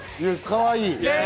かわいい！